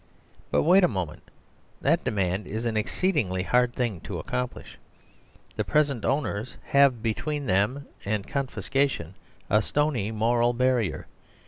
But wait a moment. That demand is an ex ceedingly hard thing to accomplish. The present owners have between them and confiscation a stony moral barrier.